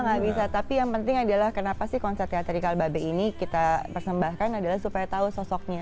gak bisa tapi yang penting adalah kenapa sih konser teateri kalbabe ini kita persembahkan adalah supaya tau sosoknya